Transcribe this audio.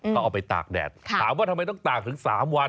เขาเอาไปตากแดดถามว่าทำไมต้องตากถึง๓วัน